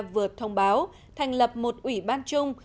vừa thông báo thành lập một ủy ban chung